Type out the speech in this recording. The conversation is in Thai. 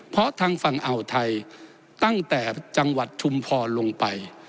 เพราะทางฝั่งอ่าวไทยตั้งแต่จังหวัดชุมพรลงไป